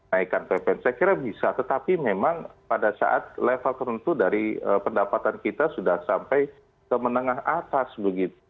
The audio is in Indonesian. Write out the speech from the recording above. naikan ppn saya kira bisa tetapi memang pada saat level tertentu dari pendapatan kita sudah sampai ke menengah atas begitu